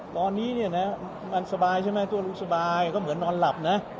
ตอนนี้เนี่ยนะมันสบายใช่ไหมทั่วลูกสบายก็เหมือนนอนหลับนะ